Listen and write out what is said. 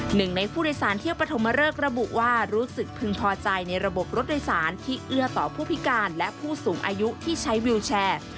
หนึ่งในผู้โดยสารเที่ยวปฐมเริกระบุว่ารู้สึกพึงพอใจในระบบรถโดยสารที่เอื้อต่อผู้พิการและผู้สูงอายุที่ใช้วิวแชร์